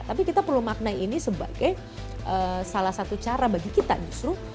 tapi kita perlu maknai ini sebagai salah satu cara bagi kita justru